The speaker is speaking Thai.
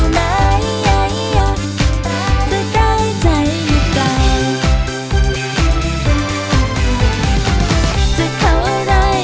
นี่เป็นคนที่จะจับผู้มือส่งตำรวจ